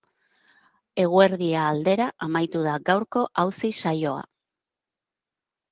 Eguerdia aldera amaitu da gaurko auzi saioa.